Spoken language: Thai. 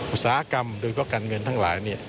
อุตสาหกรรมโดยเฉพาะการเงินทั้งหลาย